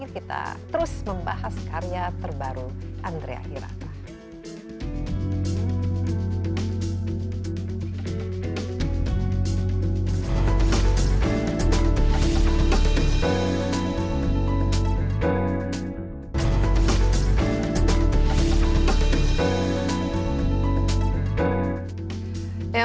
kita terus membahas karya terbaru andre hirata